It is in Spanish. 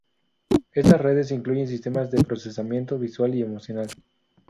Estas redes incluyen sistemas de procesamiento visual y emocional.